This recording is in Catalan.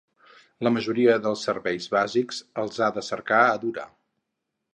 La majoria dels serveis bàsics els ha de cercar a Dura.